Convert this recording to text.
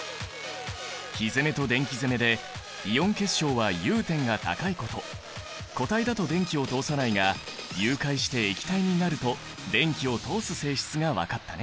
火攻めと電気攻めでイオン結晶は融点が高いこと固体だと電気を通さないが融解して液体になると電気を通す性質が分かったね。